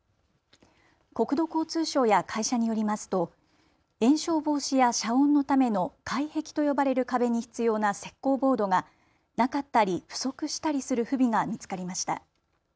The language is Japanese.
国土交通省や会社によりますと延焼防止や遮音のための界壁と呼ばれる壁に必要な石こうボードがなかったり不足したりする不備が見つかりました。